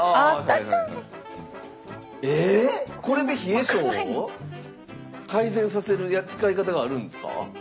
えこれで冷え症を改善させる使い方があるんですか？